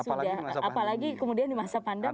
apalagi di masa pandemi